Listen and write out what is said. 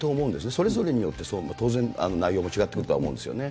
それぞれによって、当然内容も違ってくるとは思うんですよね。